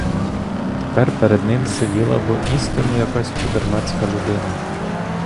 Тепер перед ним сиділа воістину якась чудернацька людина.